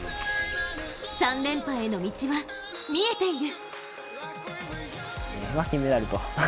３連覇への道は見えている。